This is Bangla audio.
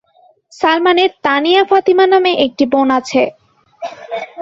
সালমানের তানিয়া ফাতিমা নামে একটি বোন আছে।